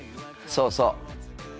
そうそう。